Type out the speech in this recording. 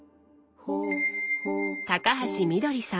高橋みどりさん。